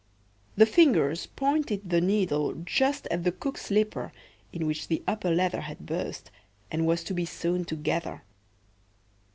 The Fingers pointed the needle just at the cook's slipper, in which the upper leather had burst, and was to be sewn together.